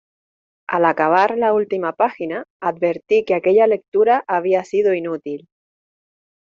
Al acabar la última página advertí que aquella lectura había sido inútil.